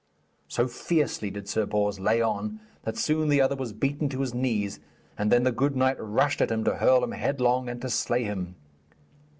So fiercely did Sir Bors lay on, that soon the other was beaten to his knees, and then the good knight rushed at him to hurl him headlong and to slay him.